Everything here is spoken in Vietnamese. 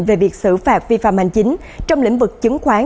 về việc xử phạt vi phạm hành chính trong lĩnh vực chứng khoán